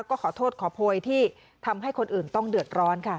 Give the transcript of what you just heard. ก็ขอโทษขอโพยที่ทำให้คนอื่นต้องเดือดร้อนค่ะ